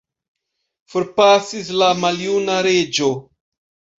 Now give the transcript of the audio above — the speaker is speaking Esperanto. Forpasis la maljuna reĝo.